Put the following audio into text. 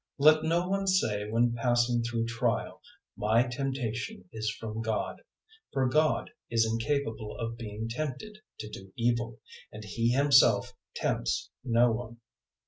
001:013 Let no one say when passing through trial, "My temptation is from God;" for God is incapable of being tempted to do evil, and He Himself tempts no one.